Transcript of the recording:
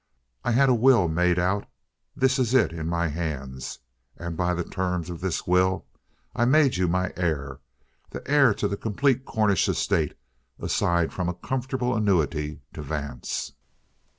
I had a will made out this is it in my hands and by the terms of this will I made you my heir the heir to the complete Cornish estate aside from a comfortable annuity to Vance."